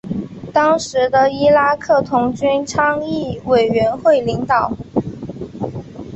当时的伊拉克童军倡议委员会领导。